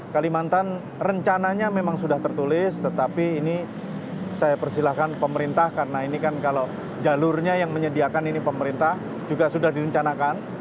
kalimantan rencananya memang sudah tertulis tetapi ini saya persilahkan pemerintah karena ini kan kalau jalurnya yang menyediakan ini pemerintah juga sudah direncanakan